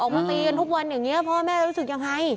มาตีกันทุกวันอย่างนี้พ่อแม่รู้สึกยังไง